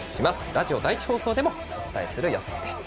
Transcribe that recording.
ラジオ第１でもお伝えする予定です。